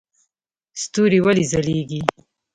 ستوري ولې ځلیږي؟